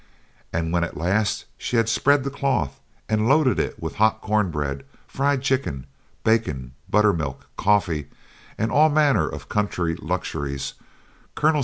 And when at last she had spread the cloth and loaded it with hot corn bread, fried chickens, bacon, buttermilk, coffee, and all manner of country luxuries, Col.